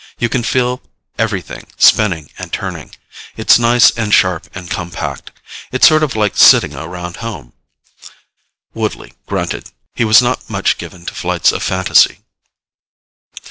You can feel everything spinning and turning. It's nice and sharp and compact. It's sort of like sitting around home." Woodley grunted. He was not much given to flights of fantasy.